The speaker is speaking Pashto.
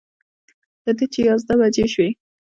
تر دې چې یازده بجې شوې.